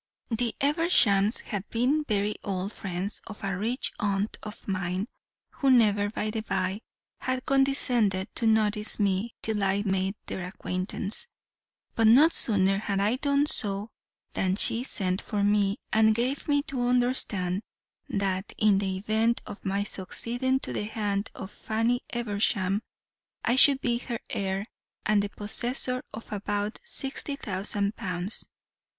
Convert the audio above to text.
"The Evershams had been very old friends of a rich aunt of mine, who never, by the by, had condescended to notice me till I made their acquaintance; but no sooner had I done so, than she sent for me, and gave me to understand that in the event of my succeeding to the hand of Fanny Eversham, I should be her heir and the possessor of about sixty thousand pounds.